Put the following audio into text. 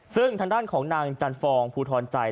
ซึ่งทางด้านของนางจันฟองภูทรใจ